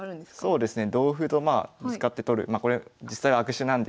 そうですね。